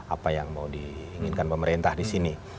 apa yang mau diinginkan pemerintah di sini